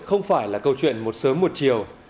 không phải là câu chuyện một sớm một chiều